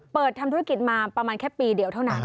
ทำธุรกิจมาประมาณแค่ปีเดียวเท่านั้น